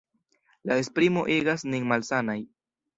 La esprimo igas nin malsanaj.